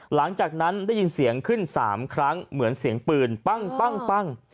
หลังจากนั้นได้ยินเสียงขึ้น๓ครั้งเหมือนเสียงปืนปั้ง